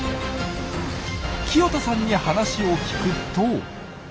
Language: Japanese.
清田さんに話を聞くと。